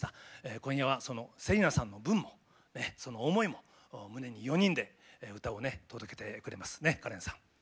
今夜はその芹奈さんの分もその思いも胸に４人で歌を届けてくれますねかれんさん。